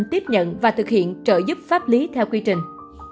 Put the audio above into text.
tiếp nhận và thực hiện trợ giúp pháp lý theo quy trình